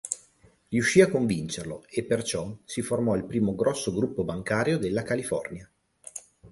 Riuscì a convincerlo e perciò si formò il primo grosso gruppo bancario della California.